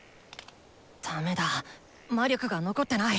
だめだ魔力が残ってない。